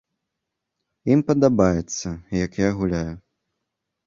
Ім падабаецца, як я гуляю.